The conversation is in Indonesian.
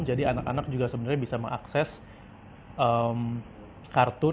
jadi anak anak juga sebenarnya bisa mengakses kartun